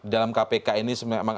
dalam kpk ini memang